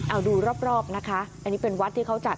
เอาดูรอบนะคะอันนี้เป็นวัดที่เขาจัด